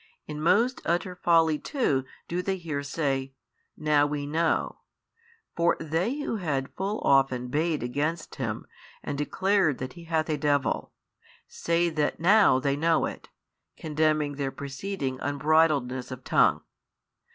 In most utter folly too do they here say, Now we know: for they who had full often bayed against Him and declared that He hath a devil, say that now they know it, condemning their preceding unbridledness of tongue.